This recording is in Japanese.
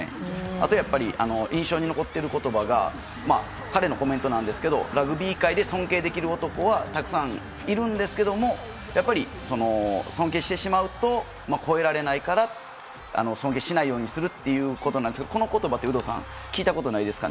あとは、印象に残る言葉が彼の言葉なんですがラグビー界で尊敬できる男はたくさんいるんですが尊敬してしまうと超えられないから尊敬しないようにするって言葉ですがこの言葉って有働さん聞いたことないですか。